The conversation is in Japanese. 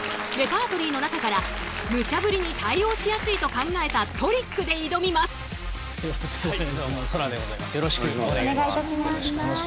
レパートリーの中からムチャぶりに対応しやすいと考えたトリックで挑みます。